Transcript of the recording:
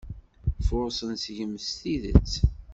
Furṣen seg-m s tidet.